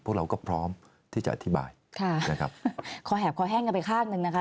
พวกเราก็พร้อมที่จะอธิบายขอแหบขอแห้งกันไปข้างหนึ่งนะคะ